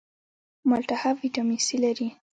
مالټه هم ویټامین سي لري